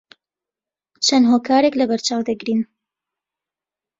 چەند هۆکارێک لەبەرچاو دەگرین